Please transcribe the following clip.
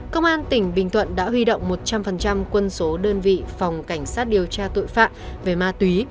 công an tỉnh bình thuận đã huy động một trăm linh quân số đơn vị phòng cảnh sát điều tra tội phạm về ma túy